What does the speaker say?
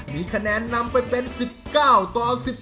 มีคะแนนนำไปเป็น๑๙ต่อ๑๒